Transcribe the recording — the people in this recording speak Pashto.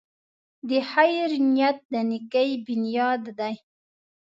د خیر نیت د نېکۍ بنیاد دی.